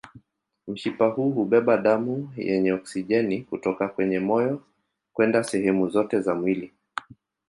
Mshipa huu hubeba damu yenye oksijeni kutoka kwenye moyo kwenda sehemu zote za mwili.